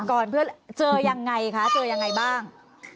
ก่อนเพื่อเจอยังไงคะเจอยังไงบ้าง